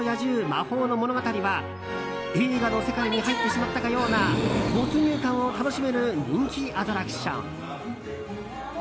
“魔法のものがたり”は映画の世界に入ってしまったような没入感を楽しめる人気アトラクション。